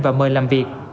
và mời làm việc